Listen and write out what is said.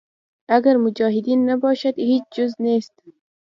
اګر مجاهدین نباشد هېچ چیز نیست.